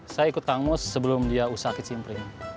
saya ikut kamus sebelum dia usaha kicimpring